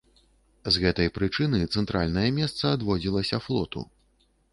З гэтай прычыны цэнтральнае месца адводзілася флоту.